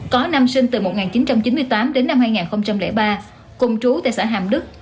có năm sinh từ một nghìn chín trăm chín mươi tám đến năm hai nghìn ba cùng trú tại xã hàm đức